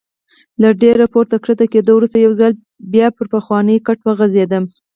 له ډېر پورته کښته کېدو وروسته یو ځل بیا پر پخواني کټ وغځېدم.